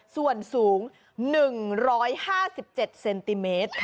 ส่วนสูง๑๕๗เซนติเมตร